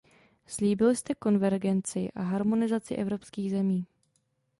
Slíbil jste konvergenci a harmonizaci evropských zemí.